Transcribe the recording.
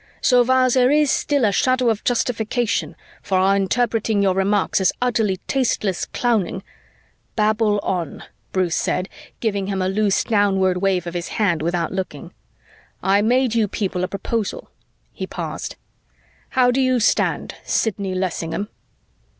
So while there is still a shadow of justification for our interpreting your remarks as utterly tasteless clowning " "Babble on," Bruce said, giving him a loose downward wave of his hand without looking. "I made you people a proposal." He paused. "How do you stand, Sidney Lessingham?"